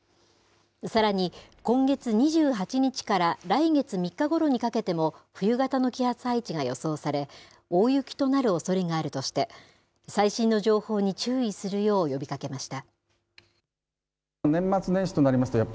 さらに今月２８日から来月３日ごろにかけても、冬型の気圧配置が予想され、大雪となるおそれがあるとして、最新の情報に注意するよう呼びかけました。